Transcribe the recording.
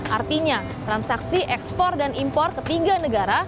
artinya transaksi ekspor dan impor ketiga negara